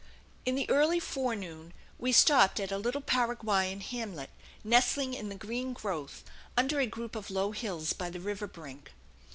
In the early forenoon we stopped at a little Paraguayan hamlet, nestling in the green growth under a group of low hills by the river brink.